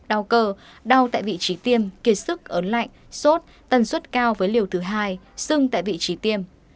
đau khớp đau cơ đau tại vị trí tiêm kiệt sức ớn lạnh sốt tần suất cao với liều thứ hai sưng tại vị trí tiêm